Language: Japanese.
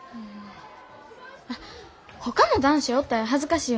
あっほかの男子おったら恥ずかしいよな。